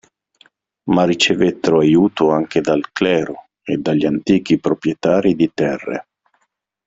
Ma ricevettero aiuto anche dal clero e dagli antichi proprietari di terre.